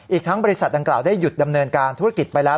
อีกทั้งบริษัทดังกล่าวได้หยุดดำเนินการธุรกิจไปแล้ว